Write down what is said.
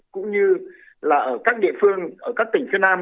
cũng như là ở các địa phương ở các tỉnh phía nam